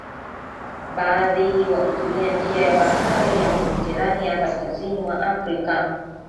Baadhi wakitumia njia ya bahari ya Mediterania kaskazini mwa Afrika